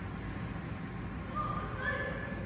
もう遅いわ。